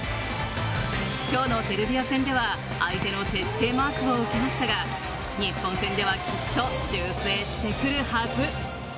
今日のセルビア戦では相手の徹底マークを受けましたが日本戦ではきっと修正してくるはず。